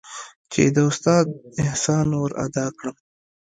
چې د استاد احسان ورادا کړم.